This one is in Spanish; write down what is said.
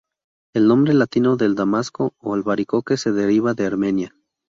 El nombre latino del damasco o albaricoque se deriva de Armenia.